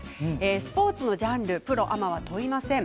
スポーツのジャンルプロ、アマは問いません。